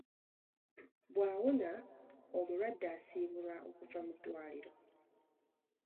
Bw'awona, omulwadde asiibulwa okuva mu ddwaliro.